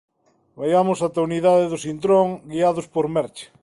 Vaiamos ata a unidade do Sintrom, guiados por Merche.